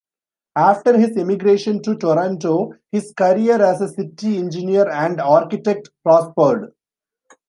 After his emigration to Toronto, his career as a city engineer and architect prospered.